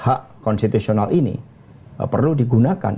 hak konstitusional ini perlu digunakan